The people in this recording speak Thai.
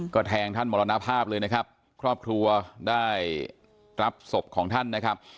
ก็แทงท่านมรณภาพเลยนะครับครอบครัวได้รับศพของท่านนะครับ